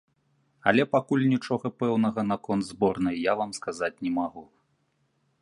Але пакуль нічога пэўнага наконт зборнай я вам сказаць не магу.